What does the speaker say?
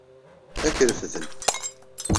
Ad k-refden.